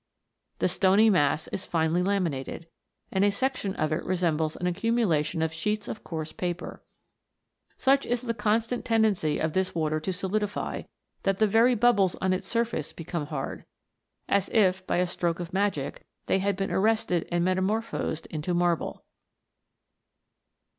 The stony mass is finely laminated, and a section of it resembles an accumulation of sheets of coarse paper. Such is the constant tendency of this water to solidify, that the very bubbles on its sur face become hard, as if, by a stroke of magic, they had been arrested and metamorphosed into marble.